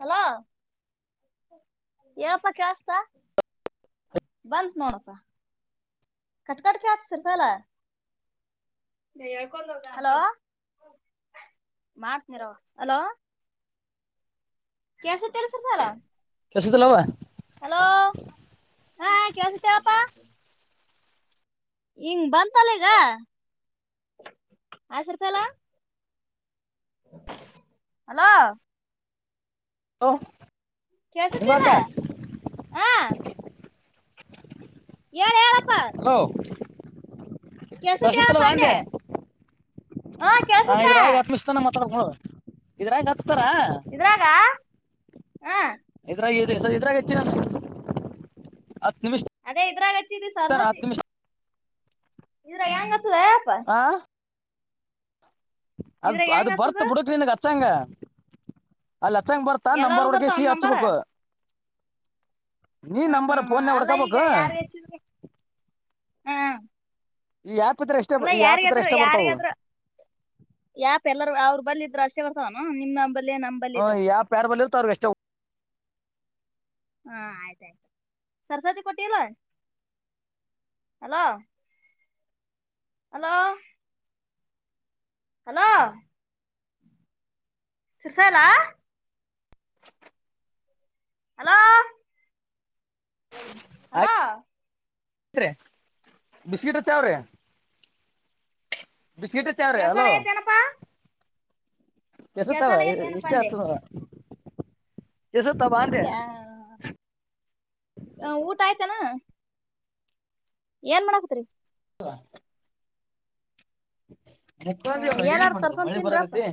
Hello. ಯನಪ್ಪಾ ಜಾಸ್ತ ಬಂದ ನೋಡಪ್ಪ. ಕಟ್ಕಟ್ಕ ಆತ ಸರ್ಸಲ. ಭ ಹಲೋ. ಮಾಡ್ತರ ಹಲೋ. ಕಸ ತರ ಸರ್ಸಾಲ. ಕೆಸದಲ್ಲವ ಹಲೋ ಹಲೋ ಹಾ ಕಸುತ್ತಪ್ಪಾ. ಹಂಗ ಬಂತಲ್ಲ ಈಗ ಹಸರ್ ಸಲ. ಹಲೋ. [unintelligible] ಕೆಸುತ್ತಲ್ಲ ಹಿಂಗಾಕ ಆ. ಳ್ ಹೇಳಳಪ್ಪ. ಪ್ರಸತ್ಲ್ಲವಾಾಂದೆ ಅಂದೆ ಹಾ ಹ ಕೇಳ್ಸತ್ತ ಇದ್ರೊಳಗೆ ಆತ್ಮಿಸ್ತಾನ ಮತ್ತ. [unintelligible] ಇದ್ರಾಗ ಹ ಸ ಇದ್ರಾಗ ಹೆಚ್ಚ ನ ನ ಹತ್ತು ನಿಮಿಷ ಅದೇ ಇದ್ರಾಗ ಹತ್ತು ನಿಮಿಷ ಇದ್ರ ಹೆಂಗ ಆ ಅದ್ ಇದ್ರಾಗ ಅದು ಹೆಂಗ್ ಹಚ್ಚದ ಬರ್ತ ಬುಡುಕ ಹಚ್ಚಂಗ ಅಲ್ಲಿ ಹಚ್ಚಂಗ ಬರ್ತಾ ಎಲ್ಲಾರೂ ನಂಬರ್ ಒಡಗ ಬರ್ತಾವ ಸಿ ಒಂದ್ ನಂಬರ್ ಹಚ್ಬೇಕು ನೀ ಹ್ಮ್ ನಂಬರ್ ಹ್ಮ್ ಹ್ಮ್ ಫೋನ್ಯಾಗ ಅಲ್ಲ ಈಗ ಹೊಡ್ಕೋಬೇಕು ಯಾರು ಹೆಚ್ಚಿದ್ರೆ ಹ್ಮ ಈ ಆ್ಯಪ್ ಇದ್ರೆ ಎಷ್ಟೇ ಅಲ್ಲ ಈ ಆ್ಯಪ್ ಇದ್ರೆ ಯಾರಿಗಾದ್ರು ಎಷ್ಟೇ ಬರ್ತಾವು ಯಾರಿಗಾದರು ಯಾಪ ಎಲ್ಲರ ಅವರು ಬಲ್ಲಿದ್ರು ಅಶೇವರ್ ನಿಮ್ಮ ಹ ಯಾವ ಪ್ಯಾರ ಬಲ ತ ಎಷ್ಟ ಹಾ ಆಯ್ತಾಯ್ತು ಸರಸ್ವತಿ ಕೊಟ್ಟಿಲ್ವಾ hello hello hello ಸುಸಲಾ [inaudible] hello hello ಬ ಬಿಸ್ಕಿಟ್ ಚಾವ್ರ ಕೆಲಸಾರಯ ತನಪ ಎಸತ್ತಾರ ಎಷ್ಟ ಅಂದೆ ಆತನವ ಅಷ್ಟೇ ಆ ಊಟ ಆಯ್ತನಾ ಏನ್ ಮಾಡಕತ್ರಿ ಹ ಮಕ್ಕಂದವ ಏನ್ ಏನಾರ ಮಾಡುದು ತರ್ಸ್ಕೊಂಡ್ ಮಳಿ ತಿನ್ರಪ್ಪ ಬರದತಿ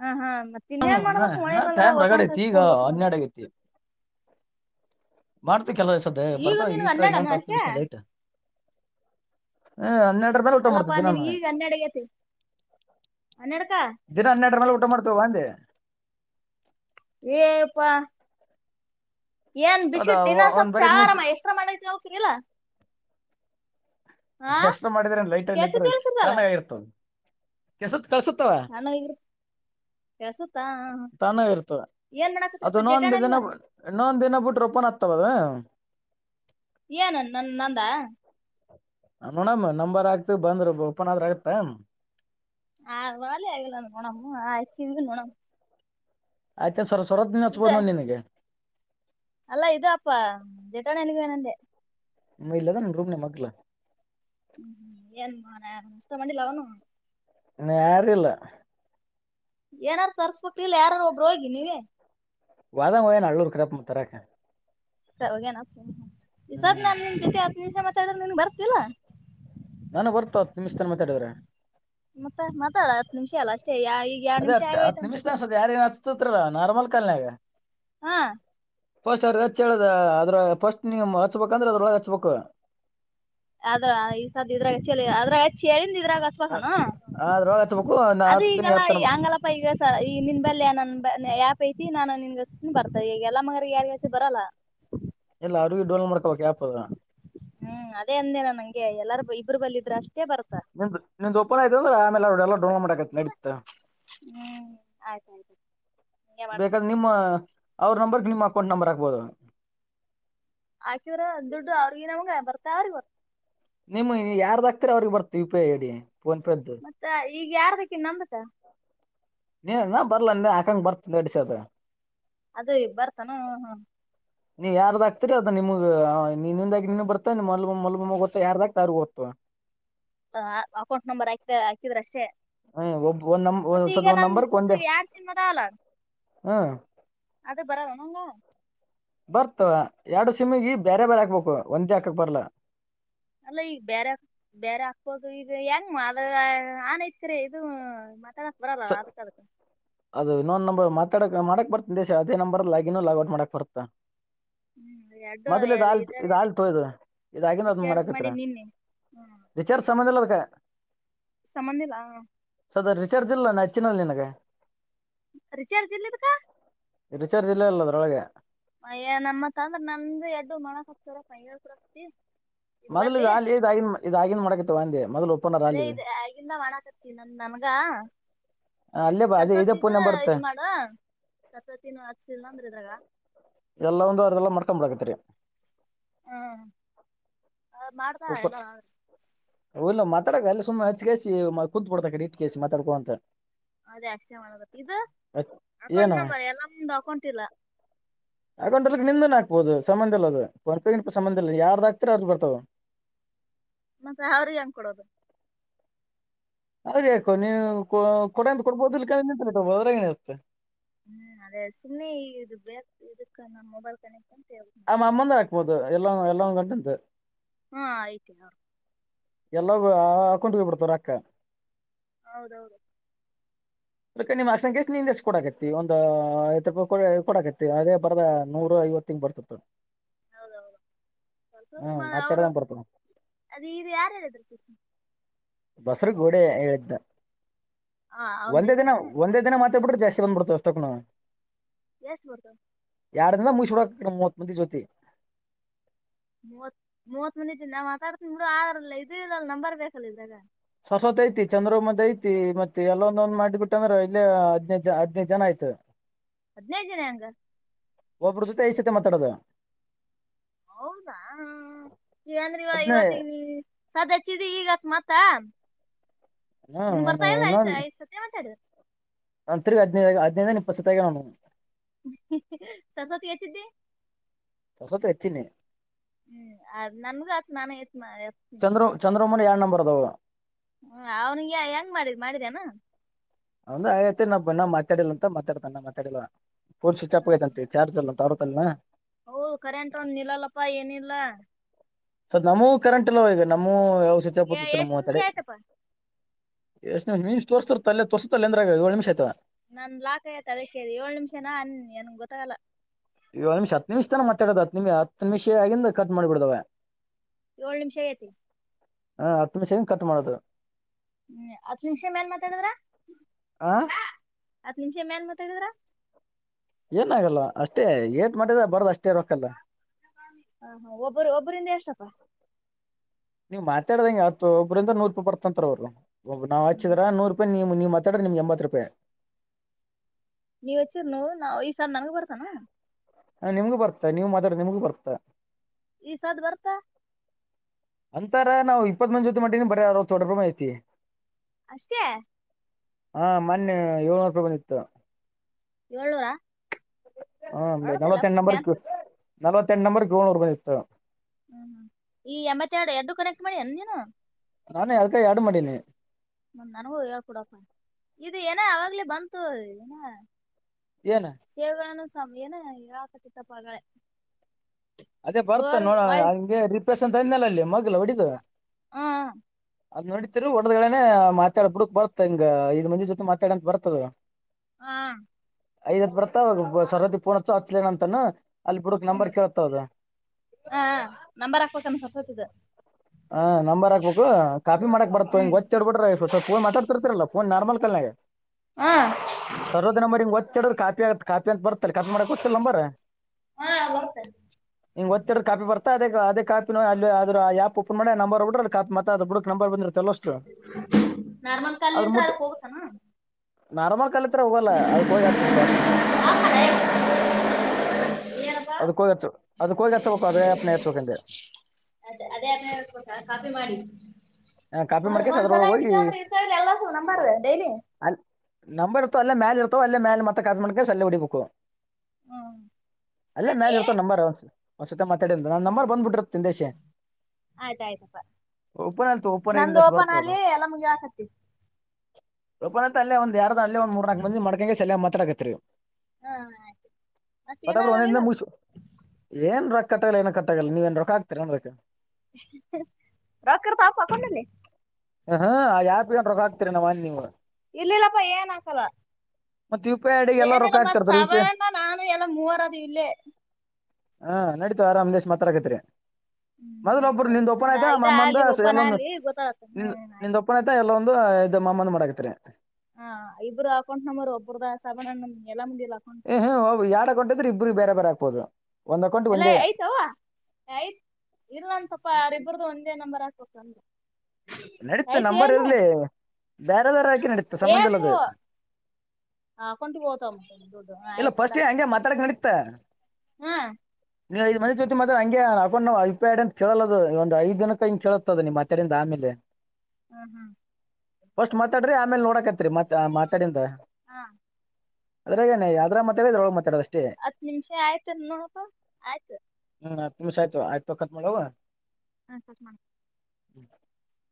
ಹ ಹಾ ಮತ್ತ ಇನ್ನಯೇನ್ ಮಾಡದಕ್ ಇನ್ನ ಮಳಿಗ್ ಬಂದ್ರ ಟೈಮ್ ಹೊಸ ರಗಡ್ ಒಂದ ಐತಿ ಕಸ ಈಗ ಕೂಡ್ಬಕ್ ನ ಹನ್ನೆರಡ್ ಮಾಡ್ತಿ ಕೆಲಸದ ಈಗ ಬರ್ತ ನಿನ್ಗ ಈತರ ಹನ್ನೆರಡನ ಇನ್ನೊಂದು ಹತ್ತು ಅಷ್ಟೇ ನಿಮಿಷ ಲೈಟ್ ಹ ಅಲ್ಲಪಾ ನಿನ್ ಈಗ ಹನ್ನಡಗತಿ ಹನ್ನಡ್ಕ ದಿನ ಹನ್ನೆರಡರ ಮೇಲೆ ಊಟ ಮಾಡ್ತೇವ ಅಂದೆ ಏಪ್ಪಾ ಏನ್ ಅದ ಬಿಸಿಟ್ ಇನ್ನೊ ಒಂದ್ ಸ್ವಲ್ಪ್ ಬರೀ ನೀ ಚಾರರಾಮ ಎಷ್ಟ್ರ ಮಾಡತಿ ಹ್ಕಿರಿಲ್ಲಾ ಎಷ್ಟ ಮಾಡಿದ್ರ ಲೈಟನ್ದ್ರ ಕೆಸತಿ ಇಲ್ಕಿದಲ್ಲ ತಣ್ಣಾಗ ಇರ್ತವ ಕೆಸ ಕಳ್ಸುತ್ತವೆ ಕೆಸುತಾ ಅದು ನೊಂದ ದಿನ ನೊಂದ ದಿನ ಬಿಟ್ರೆ ಓಪನ್ ಆಗ್ತಾವದ ಏನು ನ ನಂದಾ ನೋಡಮ್ ನಂಬರ್ ಆಗ್ತ ಬಂದ್ರ ಓಪನ್ ಆದ್ರ ಆಗ್ತ ಆ ವಾಲೆ ಆಗಲ್ಲ ನೋಣಮ್ಮ ಆಯ್ಚ ನೋಣ ಆಯ್ತಾ ಸರ್ ಸ್ವರತ್ನ ಇದ ಹಚ್ಬೋ್ ನ ನಿನಗೆ ಅಲ್ಲಾ ಇದು ಅಪ್ಪಾ ಜಟಾಣಲ್ಲಿಗುವ ನಂದೆ ಮ ಇಲ್ಲದ ರೂಮ ನ ಮಗ್ಲ ಹ್ಮ್ ಹ್ಮ್ ಏನ್ಮ್ಮ ನಾ ನಷ್ಟ ಮಾಡಿ ಲವನ ನರ ಇಲ್ಲ ಏನಾರು ಸರ್ಸ್ಬಕ್ ಇಲ್ಲ ಯಾರಾರು ಒಬ್ರು ಹೋಗಿ ನೀವೇ ವದಾಮಯಾ ನಲ್ಲರು ಕ್ರಪ್ಪ ಮಾತರ ಸರ್ವಾಗಿ ನತ ಈಸಾದ್ ಹ್ಮ್ ನನ್ ನಿನ್ ಜೊತೆ ಹತ್ತು ನಿಮಿಷ ಮಾತಾಡಿದ್ರೆ ನಿನ್ ಬರ್ತಿಲ್ಲಾ ನಾನ ಬರ್ತಾವತ್ ನಿಮ್ತನ ಮಾತಾಡಿದ್ರ ಮತ್ತ ಮಾತಾಡ ಹತ್ ನಿಮಿಷ ಅಲ್ಲ ಅಷ್ಟೇ ಈಗ ಎರಡ್ ಅದೇ ನಿಮಿಷ ಹತ್ ಹತ್ ಆಗೋಯ್ತ ನಿಮಿಷ ಅನ್ಸುತ್ತ ನ ಅನ್ಸತ್ ಯಾರ ಏನ್ ಹತ್ತತತ್ರಲ್ಲ ನಾರ್ಮಲ್ ಕಲ್ನ್ಯಾಗ ಹಾ ಫಸ್ಟ್ ಅವ್ರ ಹಚ್ಚ ಹೇಳದ ಅದ್ರ ಫಸ್ಟ್ ನೀವು ಹಚ್ಬೇಕಂದ್ರೆ ಅದ್ರೊಳಗೆ ಹಚ್ಬೇಕು. ಆದ್ರ ಈಸ ಇದ್ರಾಗ ಚಳಿ ಅದ್ರಾಗ ಚಳಿಂದ ಇದ್ರಾಗ ಅ- ಹಚ್ಬೇಕಾನ. ಅದ್ರೊಳಗೆ ಹಚ್ಬೇಕು ನಾ ಅದು ಹಚ್ತೀನಿ ಈಗಲ್ಲ ಹತ್ತನ ಹಂಗಲ್ಲಪ್ಪ ಈಗ ಈ ನಿನ್ ಬಲ್ಯ ನನ್ ಯಾಪಿ. ತಿ ನಾನು ನಿನ್ಗಷ್ಟ ಬರ್ತ ಈಗ ಎಲ್ಲ ಮಾರಿ ಯಾಯಚೆ ಬರಲ್ಲ. ಪಾರು ಡೋಲ್ ಮಾಡ್ಕೋಬೇಕು ಯಾಪನ ಹ್ಮ್ ಅದೇ ಅಂದೇನ ನಂಗೆ ಎಲ್ಲಾರ ಇಬ್ಬರು ಬಲ್ಲಿದ್ರಾ. ನಿಂದು ನಿಂದ್ ಓಪನ್ ಆಯ್ತ ಅಂದ್ರ ಆಮೇಲೆ ಅವರು ಎಲ್ಲ ಡೌನ್ಲೋಡ್ ಮಾಡ ಆಕೈತ್ ನಡೀತ. ಹ್ಮ್ ಆಯ್ತಾಯ್ತು ಹಿಂಗೆ ಮಾಡ್ತೀನಿ ಬೇಕಾದ್ರೆ ನಿಮ್ಮ ಅವ್ರ ನಂಬರ್. ನಿಮ್ಮ ಅಕೌಂಟ್ ನಂಬರ್ ಹಾಕ್ಬೋದು. ಆಕಿದ್ರ ದುಡ್ಡು ಅವ್ರಗ ನಮಂಗ ಬರ್ತ ಇರರ್ಬೇಕು. ನಿಮ್ ಯಾರ್ದು ಆಕ್ತಿರ ಅವ್ರಿಗೆ ಬರ್ತೆ U P I D. PhonePe ಅದ್ದು ಮತ್ತ ಈಗ ಯಾರದಕ್ಕಿ ನಮ್ದಾ. ನೀ ನ ಬರ್ಲಾ ಅಂದೆ ಹಾಕಂಗ ಬರ್ತ ನಡೆಸದ. ಅದು ಬರ್ತನೋ ನೀ ಯಾರ್ದಾಗಕ್ತೀರಿ ಅದು ನಿಮಗೆ ನಿನ್ನಿಂದಾಗಿ ಇನ್ನೊಬ್ಬರ ಮಲಗು ಮಲಗು ಮಲ್ಬೊಮ್ಮಗ ಗೊತ್ತಾ ಯಾರದಾಗ್ತ ಯಾರಿಗೆ ಗೊತ್ತು, ಹ ಅಕೌಂಟ್ ನಂಬರ್ ಹಾಕ್ತ ಹಾಕಿದ್ರೆ ಅಷ್ಟೇ. ಹ್ಮ್ ಒಬ್ ಒಂದ್ ನಂ ಮತ್ತೆ ಸದ್ ಈಗ ಒಂದ್ ನನ್ ನಂಬರ್ಕ್ ಒಂದೇ ಸುರುಸಿ ಯರ್ ಚಿನ್ನ ದಾಲ. ಹ್ಮ್ ಅದು ಬರುಣಂಗ ಬರ್ತ ಎರಡು ಸಿಮಗಿ ಬೇರೆ ಬೇರೆ ಹಾಕ್ಬೇಕು ಒಂದ್ ಹಾಕಕ್ ಬರ್ಲ. ಅಲ್ಲ ಈಗ ಬೇರೆ ಬೇರೆ ಹಾಕ್ಬೋದು ಈದು ಹೆಂಗ್ ಮಾದುಗರ್ ಅನೈತಿ. ಕ್ರಿ ಇದು ಮಾತಾಡ ಅದು ನಾನುನಂಬೋ ಮಾತು. ಮಾಡಕ್ ಬರ್ ದೇಶ ಅದೇ ನಂಬರ್ ಲಾಗಿನ್ ಲಾಗ್ ಔಟ್ ಮಾಡಕ್ ಬರ್ತ್ತೆ. ಹ್ಮ್ ಎರಡು ಮೊದಲು ಆಲ್ತ್ ಇದ್ರಾಗ ಇದು ಆಲ್ ತೋಯ್ದ ಇದಾಗಿನೇ ಅದನ್ ಮಾಡಕ್ ಹೋಗ್ತೀರಾ. ಮಾಡೀನಿ ನಿನ್ನೆ ವಿಚಾರ್ ಸಮನಿಲ್ಲುಲುಕ್ಕೆ. ಸಮನ್ಯೂದ. ರಿಚಾರ್ಜ್ ಇಲ್ಲ ಹಚ್ಚಿನಿಲುಗೆ ರಿಚಾರ್ಜ್ ಇಲ್ಲಿದುಕ ರಿಚಾರ್ಜ್ ಇಲ್ಲ ಅದ್ರೊಳಗೆ. ಮಯ ನಮ್ಮತ್ತ ಅಂದ್ರ ನಂದ ಎಡ್ಡು ಮಣಕ್ ಹಕ್ತಾರ ಮೈಳ್ತಿ ಮೊದಲ ಇದ ಅ ಇದ ಇದ ಆಗನ್ ಮಾಡಕತ್ತವಾ ಅಂದೆ ಮೊದ್ಲು. ಅದೇ ಇ ಈಗಂದ ಮಾಡಣಾಕತ್ತ ನನಗ. ಆ, ಅಲ್ಲೇ ಬಾ ಅದೇ ಇದೇ ಸರಸ್ವತಿದ ಫೋನ್ ನಂಬರ್ ಬರುತ್ತೆ ಇದು ಮಾಡು ಸರಸ್ವತಿನೂ ಹಚ್ಲ್ಂದ್ರ ಇದ್ರಾಗ. ಎಲ್ಲಾ ಒಂದು ಅದ್ರಲ್ಲೇ ಮಡ್ಕೋ ಬಿಡ್ತೀರಿ. ಹ್ಮ ಮಾಡ್ದಾ ಓಪನ್ ಎಲ್ಲ ಇಲ್ಲ ಮಾತಾಡಕ ಅಲ್ಲ ಸುಮ್ಮ್ ಹಚ್ ಕಾಯಸಿ ಕುೂತ್ ಕುಂತುಬಿಡ್ತು ಕುಂತ್ಬಿಡುತ್ತೆ ಆ ಕಡೆ ಇಟ್ ಕಾಯಿಸಿ ಮಾತಾಡ್ಕೊಂತ. ಅದೇ ಆಕ್ಸ್ಚೇಜ್ ಎಕ್ಸ್ಚೇಂಜ್ ಮಾಡಬೇಕು ಇದು ಅಕೌಂಟ್ ಏನು ನಂಬರ್ ಎಲ್ಲ ಅಮ್ಮಂದು ಅಕೌಂಟ್ ಇಲ್ಲ. ಆಗೊಂಡ್ರ ನಿಂದನ್ ಹಾಕ್ಬಹುದು ಸಂಬಂಧ ಇಲ್ಲ ಅದು ಹೊರ್ಪಗಿಪ ಸಂಬಂಧ ಇಲ್ಲ ಯಾರ್ದ ಹಾಕ್ತಾರ ಅದ್ರು ಬರ್ತಾವು. [inaudible] ಮತ್ತೆ ಅವ್ರಿ ಹೆಂಗ್ ಕೊಡೋದು. ಅವ್ರ್ ಯಾಕೋ ನೀವು ಕೊ ಕೊಡಂತ ಕೊಡ್ಬೋದು ಕದ್ದಿರ ನಿಂತ್ ಅದ್ರಾಗ ಏನ್ ಐತ್ತೆ ಹ್ಮ್ ಅದೇ ಸುಮ್ಮ್ನೆ ಇದು ಬೇಕು ಇದಕ್ಕ ನಮ್ಮ್ ಮೊಬೈಲ್ ಕನೆಕ್ಟ್ ಅಂತ ಹೇಳ ಗಂಡಂದೆ ಹಾ ಐತಿನ ಎಲ್ಲವೂ ಅಕೌಂಟಿಗೆ ಬಿಡ್ತವೆ ರೋಕ್ಕ. ಹೌದೌದು ಅ ಅಸಂಗೀಸ್ ನಿ ಎಷ್ಟು ಕೊಡಕತ್ತಿ ಒಂದುಹತ್ತು ರೂಪಾಯಿ ಐದೂ ಕೊಡಕತ್ತಿ ಅದೇ ಬರದ ನೂರು. ಇವತ್ತಿನ್ ಬರ್ತಪ್ಪ. ಹೌದೌದು ಅವರು ತೂತ್ ಹ್ಮ್ ಮನೆಯವರು ಮಾತಾಡ್ದಂಗ್ ಬರ್ತಾವ ಅದು ಇದು ಯಾರು ಹೇಳಿದ್ರು ಸುಷ್ಮಾ. ಬಸರು ಗೋಡೆ ಎದ್ದ ಹ ಅವಂದ್ ಒಂದೇ ದಿನ ಐತನ ಒಂದೇ ದಿನ ಮತ್ತ್. [unintelligible] ಬಿಟ್ಟೆ ಜಾಸ್ತಿ ಬಂದ್ಬಿಡ್ತದೆ ಅಷ್ಟ ಕುಣ ಎಷ್ಟಬರ್ದುದ ಎಡ ದಿನದಾಗ ಮುಗಸಿ ಬಿಡಬೇಕ ಮೂವತ್ತು ಮಂದಿ ಜ್ಯೋತಿ ಮೂವತ್ ಮೂವತ್ ಮಂದಿಜ ನಾ ಮಾತಾಡ್ತ ಬಿಡ ಆ ಇದ ಇಲ್ಲಲ್ ನಂಬರ್ ಬೇಕಲ್ಲ ಇದರಾಗ ಸರ್ವತ್ ಐತಿ ಚಂದ್ರ ಮದ ಐತಿ ಮತ್ತೆ ಎಲ್ಲ ಒಂದೊಂದ್ ಮಾಡ್ಬಿಟ್ಟ ಅಂದ್ರೆ ಇಲ್ಲೇ ಹದನೈದು ಜನ ಹದನೈದು ಜನ ಐತ ಹದನೈದು ಜನ ಹೆಂಗ ಒಬ್ಬರ ಜೊತೆ ಐದ ಸತೆ ಮಾತಾಡೋದು. ಹೌದಾ ಈಂದ್ರ ಇವ ಹದ್ನೇ ಇವತ್ತಗ ನೀ ಸದ ಹಚ್ಚಿದಿ ಈಗ ಮತ್ತ ತ್ತಾ ಹ ನೀನ್ ನಾನು ಬರ್ತಾ ಇಲ್ಲ ಐ ಐದ ಸತೆ ಮಾತಡಿದರ ನನ್ ತಿರ್ಗ್ ಹದಿನೈದ ಹದಿನೈದ ಇಪ್ಪತ ಸತೇ ಆಗ್ಯಾವ ನನವು ಸರಸ್ವತಿ ಯಚದಿ ಹೊಸತ ಹಚ್ಚಿನಿ ಹ್ಮ್ ಅ ನನ್ಗ ಹಚ್ ನಾನ ಯತ್ ಮಾ ಸುಮ್ನೆ ಎಡ ನಂಬರ್ ಅದಾವ ಹ ಅವನಿಗೆ ಹೆಂಗ್ ಮಾಡಿದ ಮಾಡಿದೇನಾ ಅವಂದ ಆಗೇತಿ ನಾ ಬಂದಾಗ ಮಾತಾಡಿಲ್ಲ ಅಂತ ಮಾತಾಡತ ಮಾತಾಡಿಲ್ಲ ಫೋನ್ ಸ್ವಿಚ್ ಆಪ್ ಆಗೈತಂತೆ ಚಾರ್ಜ್ ಅಲ್ಲ ತಾರತಲ್ ಅವು ಕರೆಂಟ್ ಒಂದ ನಿಲ್ಲಲ್ಲಪ್ಪಾ ಏನಿಲ್ಲಾ ಸದ ನಮವು ಕರೆಂಟ್ ಅಲ್ ಈಗ ನಮವು ಯಾವ ಸ್ವಿಚ್ ಒಫ್ ಇರತಿದಿದಲ್ ಎಷ್ಟ್ ನಮ್ಮ್ ನಿಮಿಷ ತಡೆ ಆಯ್ತಪ್ಪಾ ಎಸ್ ಮ ನಿಮಿಷ ತೋರ್ಸತಲ್ಲ ತೋರ್ತಲ್ಲ ಅಂದ್ರಾಗ ಏಳ ನಿಮಿಷ ಆಯ್ತದ ನನ್ ಲಾಕ್ ಆಗೇತಿ ಅದಕ್ಕೆೇಳಿ ಏಳು ನಿಮಿಷನ ಅನ್ ನನ್ ಗೊತ್ತಾಗಲ್ಲ. ಏಳ ನಿಮಿಷ ಹತ್ತು ನಿಮಿಷ ತನ ಮತ್ತಾಡೋದು ಹತ್ತ ನಿಮಿಷ ಹತ್ತು ನಿಮಿಷ ಆಗಿಂದ ಕಟ್ ಮಾಡಿ ಬಿಡದವ ಏಳ್ ನಿಮಿಷ ಐತಿ ಹ ಹತ್ತು ನಿಮಿಷ ಆಗಿಂದ ಕಟ್ ಮಾಡದ ಹ್ಮ್ ಹತ್ತ ನಿಮಿಷ ಮ್ಯಾಲ್ ಮಾತಾಡಿದ್ರ ಆ ಹತ್ತ ನಿಮಿಷ ಮ್ಯಾಲ್ ಮಾತಡಿದರ ಏನ ಆಗಲ್ಲ ಅಷ್ಟೇ ಏಟ್ ಮಾತಡಿದ ಬರದ ಅಷ್ಟೇ ರೊಕ್ಕಲ್ಲ ಹ ಹಾ ಒಬ್ಬರು ಒಬ್ಬರಿಂದ ಎಷ್ಟಪ್ಪ. ನೀವ್ ಮಾತಾಡ್ದಂಗ ಹತ್ತ ಒಬ್ಬ್ರಂದ ನೂರ್ ರೂಪಾಯಿ ಬರ್ತಂತಾರ ಅವರು ಒಬ್ ನಾವ್ ಹ್ಮ್ ಹಚ್ಚಿದ್ರ ಹ್ಮ್ ನೂರು ರೂಪಾಯಿ ನೀವ ನೀ ನಿಮ್ಗೆ ಎಂಬತ್ತು ರೂಪಾಯಿ ನೀವ್ ಹಚ್ಚಿದರ ನೂರ್ ನಾವ ಐದ ಸಾರ್ ನನ್ಗ ಬರ್ತಾನ ಹ ನಿಮ್ಗೂ ಬರ್ತ ನೀವು ಮಾತಾಡದರೆ ನಿಮ್ಗೂ ಬರ್ತ ಈ ಸದ್ ಬರ್ತ ಅಂತಾರ ನಾವು ಇಪ್ಪತ್ ಮಂದ ಜೊತೆ ಮಟ್ಟಿನ ಬರ ಅರವತ್ತು ಏಳು ರೂಪಾಯಿ ಬಂದೇತಿ ಅಷ್ಟೇ ಹಾ ಮೊನ್ನೆ ಏಳ್ನೂರು ರೂಪಾಯಿ ಬಂದಿತ್ತು. ಏಳನೂರ ಹ ನಲವತ್ತೆಂಟ ಚಾನ್ಸ್ ನಂಬರ್ಕ್ ನಲ್ವತ್ತೆಂಟು ನಂಬರ್ ಏಳನೂರ ಬಂದಿತ್ತು. ಹ್ಮ್ ಹ್ಮ್ ಹ ನಾನೇ ಅದಕ ಎಡು ಮಾಡೀನಿ ಹ್ಮ ನನಗೂ ಹೇಳ್ಕೊಡಪ್ಪ ಇದು ಏನ ಅವಾಗ್ಲೇ ಬಂತು ಏನ ಏನ್ ಸೇವೆಗಳನ್ನು ಸ ಏನ ಹೇಳಾಕತಿತ್ತಪ್ಪ ಆಗಳೆ ಅದೇ ಬರ್ತ ನೋಡ ಹಂಗೆ ರಿಫ್ರೆಶ್ ಅಂತ ಹೇಳಿದ್ನಲ್ಲ ಅಲ್ಲಿ ಮ ಹ್ಮ ಹ್ಮ್ ಅದ್ ನೋಡತಿರಿ ಹೊಡದ್ಡೆೇನ ಮಾತಾಡ ಬಿಡಕ್ ಬರ್ತ ಹಿಂಗ ಐದ ಮಂದಿ ಜೊತೆ ಮಾತಾಡಂತ ಬರ್ತದ ಹಾ ಐದ ಹತ್ ಬರ್ತಾವಾಗ ಸರದ ಪೂರ್ತ್ಸ ಹಚ್ಲೇನ ಅಂತಾನನು ಅಲ್ಲಿ ಬುಡಕ್ ನಂಬರ್ ಕೇಳ್ತಾತದ ಹಾ ಹಾ ನಂಬರ್ ಹಾಕ್ಬನ ಸರಸ್ವತಿ ದ ಹಾ ನಂಬರ ಹಾಕ್ಬೇಕು ಕಾಫಿ ಮಾಡಕ್ ಬರತ್ತುಂಗ್ ಹ್ಮ್ ಒತ್ತಿ ಹಿಡದ ಬುಟ್ರ ಸ ಫೋನ್ ಮಾತಾಡ್ತಿರ್ತಿರಲ್ಲ ಫೋನ್ ನಾರ್ಮಲ್ ಕಾಲನ್ಯಾಗ್ ಹ ಸರಸ್ವತಿ ನಂಬರ ಹಿಂಗ ಒತ್ತ ಹಿಡದ ಕಾಪಿ ಆಗತ ಕಾಫಿ ಅಂತ ಬರ್ತ್ತಲ್ಲ ಕಾಫಿ ಮಾಡಕ್ ಬರ್ತಿಲ ನಂಬರ ಹ ಬರ್ತ ಇಂಗ್ ವತ್ತಿ ಇಡದ್ರೆ ಕಾಪಿ ಬರತ್ತ ಅದೇ ಅದೇ ಕಾಪಿನ ಅಲ್ಲಿ ಆದ್ರ ಯಾಪ್, ಓಪನ್ ಮಾಡಿ ನಂಬರ್ [unintelligible] ನಂಬರ್ ಬಂದಿರುತ್ತ, ನಾರ್ಮಲ್ ಕಾಲ್ ಅದ್ರ ನಿಂತ್ರ ಮುಟ್ ಅದಕ್ ಹೋಗುತ್ತ ಅನು, ನಾರ್ಮಲ್ ಕಾಲ್ [unintelligible] ನಿಂತ್ರ ಹೋಗಲ್ಲ ಅದುಕ ಹೋಗಿ ಅಚ್ಚಬೇಕ್ ಆ್ಯಪ್ನ್ಯಾಗ, ಏನಪ್ಪಾ ಅದ ಕೋಗಿ ಅಚ್ಚ ಅದ ಕೋಗಿ ಹಚ್ಚಬೇಕ್ ಅದೆ ಆ್ಯಪ್ ಹಚ್ಛಬೇಕ್ ಅಂದೆ, [unintelligible] ಕಾಫಿ ಮಾಡಿ, ಕಾಪಿ ಮಾಡ್ಕೇಸ್ ಒಂದ ಸಲಾ ಅದ್ರೊಳಗೆ ಹೋಗಿ ಅಚ್ಚಿದ್ರ ಅಂದ್ರ ಎಲ್ಲಸು ನಂಬರ ಡೈಲಿ, ಅಲ್ ನಂಬರ್ ಇರತವ್ ಅಲ್ಲೇ ಮ್ಯಾಲ ಇರತವ್ ಅಲ್ಲೇ ಮ್ಯಾಲೆ ಮತ್ತೆ ಕಾಪಿ ಮಾಡಿಗೆಸಿ ಹೊಡಿಬೇಕು, ಅಲ್ಲೇ ಮ್ಯಾಲ್ ಇರ್ತವ ನಂಬರ್ ಒ ಒಂದ ಸಲ್ ಮಾತಾಡಿಂದ ನಂಬರ್ ಬಂದಬಿಟ್ಟರುತ್ತೆ ಇಂದೇಶೆ, ಆಯ್ತಾಯಯ್ತಪ್ಪ ಓಪನ ಆಲಿ ತೊಗೊ ಓಪನ ಆಗಿಂದ ನಂದು ಇಂದಾಗಸೆ ಬರುತ್ತ ಓಪನ್ ಅದು, ಅಲ್ಲಿ ಎಲ್ಲ ಮುಗಿ ಹಾಕತಿ ಓಪನ್ ಆಯ್ತು ಅಲ್ಲೇ ಒಂದ ಯಾರಾದರ ಒಂದ ಮೂರ ನಾಲ್ಕ ಮಂದಿದು [unintelligible] ಮಾತಾಡಕತ್ತ ರಿ, ಹ ಮತ್ತ ಏನ ಪಟಾಪಟ [unintelligible] ಆಗಲಿಲ್ಲ ಒಂದ ಅದು ಮುಗಸ ಏನ್ ರೊಕ್ಕ, ಕಟ್ ಆಗಲ್ಲ ಏನು ಕಟ್ ಆಗಲ್ಲ ನೀವ ಏನ ರೊಕ್ಕ ಹಾಕತೀರಿ ಏನ ಅದಕ್ಕ, ರೊಕ್ಕ ಇರತವಪ್ಪ ಅಕೌಂಟ್ ಅಲ್ಲಿ, [unintelligible] ಆ್ಯಪ್ ಗೆ ಏನ ರೊಕ್ಕ ಹಾಕ್ತಿರಿ ಏನ ನೀವು, ಇರ್ಲಿಲ್ಲಪ್ಪಾ ಏನ್ ಹಾಕಲ್ಲ ಮತ್ ಯು ಪಿ ಐ ಐಡಿಗೆ ಎಲ್ಲ ರೊಕ್ಕ ಏನಿಲ್ಲ ಮತ್ತ್ ಹಾಕ್ತಿರ್ತಾರ ಯು ಪಿ ಸಾಬಣ್ಣ ಐ ಅಣ್ಣ ನಾನು ಎಲ್ಲ ಮೂವರ ಅದಿವಿ ಇಲ್ಲೇ, ಹಾ ನಡೀತು ಆರಾಮ್ ಇನ್ ಎಷ್ಟ್ ಮಾತಡಕತಿರಿ. ಹ್ಮ್ ಮೊದ್ಲ್ ನೋಡಮ್ ಒಬ್ರು ನಿಂದ್ ತೋರತ್ ಓಪನ್ ನಂದ ಆಯ್ತಾ ಇದ ಅಮ್ಮಂದ ಅಲ್ಲಿ ಓಪನ್ ಎಲ್ಲೊಂದ್ ಅಲ್ಲಿ ಗೊತ್ತಾಗತ್ತ ನಿ ಹ್ಮ್ ನಿಂದ್ ಒಪ್ಪನ್ ಆಯ್ತಾ ಇಲ್ಲೊಂದು ಇದ್ ಮಾಮಂದ ಮಾಡಾಕ್ತರಿ. ಹಾ ಇಬ್ಬರು ಅಕೌಂಟ್ ನಂಬರ್ ಒಬ್ಬರುದ [unintelligible] ಎಲ್ಲ ಮಂದಿ ಹ್ಮ್ ಯಾರಡ್ ಅಕೌಂಟ್ ಇದ್ರೆ ಇಬ್ಬರಿಗ್ ಬೇರೆ ಬೇರೆ ಹಾಕ್ಬಹುದು. ಎಲ್ಲ ಆಯ್ತಾ ಆಯ್ತ್ ಇರು ಒನ್ ಸಪ ಇಬ್ರೂದು ಒಂದೇ ನಂಬರ್ ಹಾಕ್ಬೇಕು ಅಂದ್ ನಡೀತ್ ನಂಬರ್ ಇರ್ಲಿ ಬೇರೆದ್ ಹಾಕಿರ್ ನಡೀತ್ ಸಂಬಂದ್ ಇಲ್ಲ ಅದು. ಆ ಅಕೌಂಟ್ಗೆ ಹೊತ ದುಡ್ಡು ಆ ಆಯ್ತ್ ಬೂಡ. ತ್ ನೀವು ಐದು ಮಂದಿ ಜೊತೆ ಬಂದ್ ಹಂಗೆ ಪೋನ್ ಐಪ್ಯಾಡ್ ಅಂತ ಕೇಳಲ್ಲ ಅದು ಒಂದು ಐದು ದಿನಕ್ಕ ಹಿಂಗ್ ಕೇಳುತ್ತ ಅದು ನಿಮ್ಮ ಅತ್ತಿ ಇಂದ ಆದಮೇಲೆ.. ಹ್ಮ್ ಹ್ಮ್ ಫಸ್ಟ್ ಮಾತಾಡ್ರಿ ಆಮೇಲ್ ನೋಡಕತ್ರಿ ಮಾತ್ ಮಾತಾಡಿಂದ. ಹಾ ಅದ್ರ ಏನೆ ಅದ್ರ ಮಾತಾಡಿ ಇದ್ರೊಳಗ್ ಮಾತಾಡಷ್ಟ್ ಹತ್ತು ನಿಮಿಷ ಆಯ್ತೆನ್ ನೋಡು ಆಯ್ತು. ಹ್ಮ್ ಹತ್ತು ನಿಮಿಷ ಆಯ್ತು ಅಯ್ತು ಕಟ್ ಮಾಡವ. ಹ ಕಟ್ ಮಾಡು. [unintelligible]